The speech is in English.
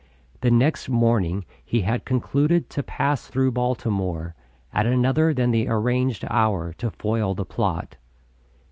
The next morning he had concluded to pass through Baltimore at another than the arranged hour to foil the plot.